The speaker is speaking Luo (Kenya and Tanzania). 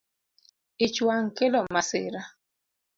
Ich wang’ kelo masira